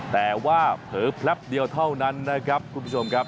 แต่ว่าเผลอแพลบเดียวเท่านั้นนะครับคุณผู้ชมครับ